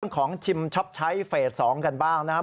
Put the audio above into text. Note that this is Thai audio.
ของชิมช็อปใช้เฟส๒กันบ้างนะครับ